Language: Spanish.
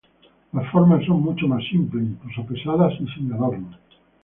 Las formas son mucho más simples, incluso pesadas y sin adornos.